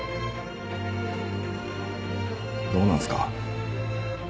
どうなんすか？